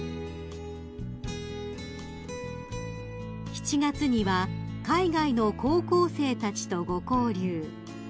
［７月には海外の高校生たちとご交流］